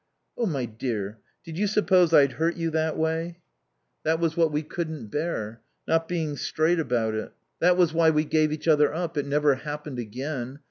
"Oh, my dear, did you suppose I'd hurt you that way?" "That was what we couldn't bear. Not being straight about it. That was why we gave each other up. It never happened again.